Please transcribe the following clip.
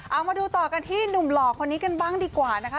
เอามาดูต่อกันที่หนุ่มหล่อคนนี้กันบ้างดีกว่านะคะ